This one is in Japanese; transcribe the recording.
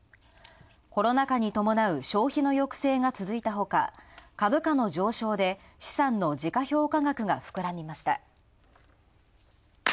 コロナ禍に伴う消費の抑制が続いたほか、株価の上昇で資産の時価評価額がふくらみました。